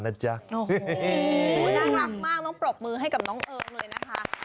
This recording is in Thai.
โอ้โหน่ารักมากต้องปรบมือให้กับน้องเอิงเลยนะคะ